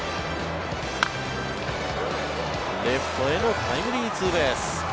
レフトへのタイムリーツーベース。